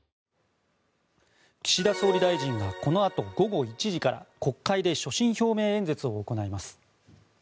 岸田総理大臣はこのあと午後１時から国会で所信表明演説を行います。